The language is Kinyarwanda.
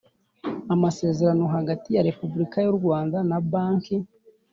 amasezerano hagati ya Repubulika y u Rwanda na Banki